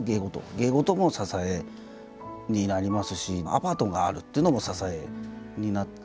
芸事も支えになりますしアパートがあるっていうのも支えになって。